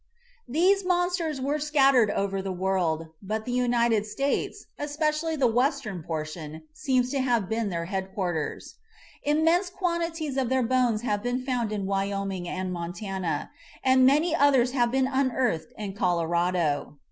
These monsters were scattered over the world, but the United States, especially the western por tion, seems to have been their headquarters. Im mense quantities of their bones have been found in Wyoming and Montana, and many others have been unearthed in Colorado.